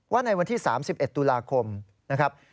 ในวันที่๓๑ตุลาคมนะครับ